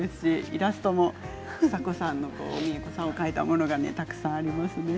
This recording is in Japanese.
イラストも房子さんを描いたものがたくさんありますね。